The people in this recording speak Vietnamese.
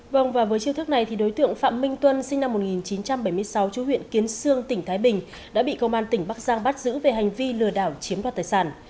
vâng và với chiêu thức này thì đối tượng phạm minh tuân sinh năm một nghìn chín trăm bảy mươi sáu chú huyện kiến sương tỉnh thái bình đã bị công an tỉnh bắc giang bắt giữ về hành vi lừa đảo chiếm đoạt tài sản